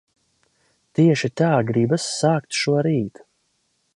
Tieši tā gribas sākt šo rītu.